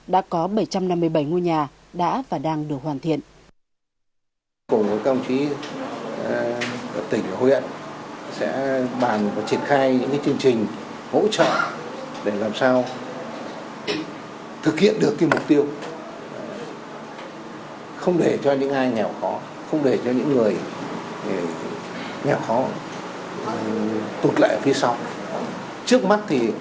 đã có bảy trăm năm mươi bảy ngôi nhà